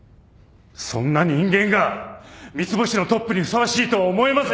そんな人間が三ツ星のトップにふさわしいとは思えません！